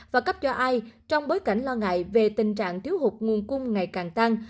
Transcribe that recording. và cấp cho ai trong bối cảnh lo ngại về tình trạng thiếu hụt nguồn cung ngày càng tăng